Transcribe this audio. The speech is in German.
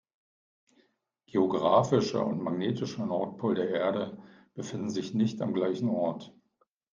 Geographischer und magnetischer Nordpol der Erde befinden sich nicht am gleichen Ort.